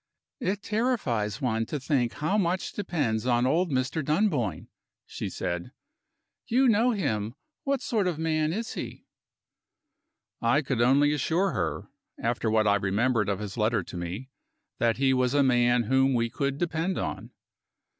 "It terrifies one to think how much depends on old Mr. Dunboyne," she said. "You know him. What sort of man is he?" I could only assure her (after what I remembered of his letter to me) that he was a man whom we could depend upon.